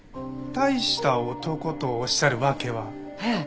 「大した男」とおっしゃるわけは？へえ。